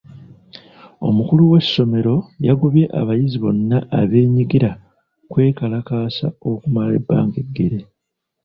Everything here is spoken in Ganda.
Omukulu w'essomero yagobye abayizi bonna abeenyigira kwekalakaasa okumala ebbanga eggere.